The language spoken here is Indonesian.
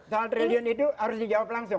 soal triliun itu harus dijawab langsung